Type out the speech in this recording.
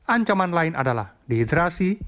ancaman lain adalah dehidrasi